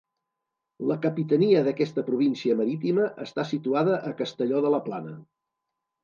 La capitania d'aquesta província marítima està situada a Castelló de la Plana.